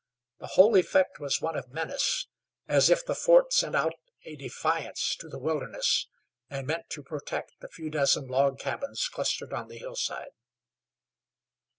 The whole effect was one of menace, as if the fort sent out a defiance to the wilderness, and meant to protect the few dozen log cabins clustered on the hillside.